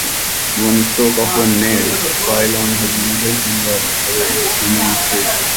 One stroke of a nail file on his middle finger erases human history.